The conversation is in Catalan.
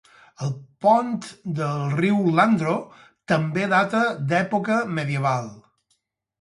El pont del riu Landro també data de l'època medieval.